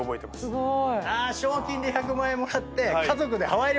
すごい。